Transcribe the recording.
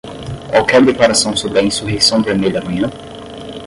Qualquer declaração sobre a insurreição vermelha amanhã?